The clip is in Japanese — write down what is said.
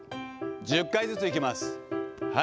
１０回ずついきます。